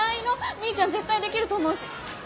みーちゃん絶対できると思うし。ね？